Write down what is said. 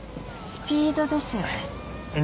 スピードですよね。